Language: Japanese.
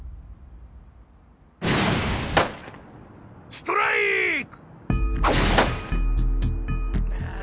ストライク！